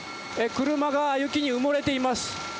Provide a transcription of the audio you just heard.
車が雪に埋もれています。